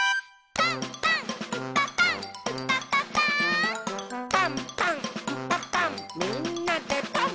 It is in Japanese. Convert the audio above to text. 「パンパンんパパンみんなでパン！」